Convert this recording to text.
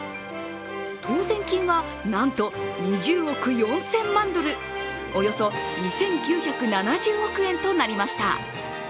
当選金はなんと２０億４０００万ドル、およそ２９７０億円となりました。